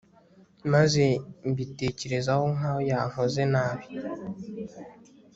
maze mbitekerezaho nkaho yankoze nabi